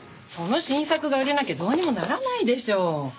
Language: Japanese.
その新作が売れなきゃどうにもならないでしょ。